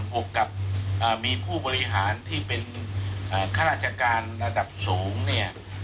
วกกับมีผู้บริหารที่เป็นข้าราชการระดับสูงเนี่ย